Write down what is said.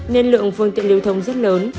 nên lượng phương tiện liêu thông rất lớn